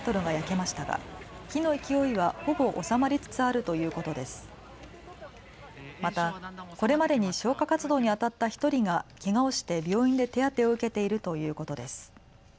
また、これまでに消火活動にあたった１人がけがをして病院で手当てを受けているということです。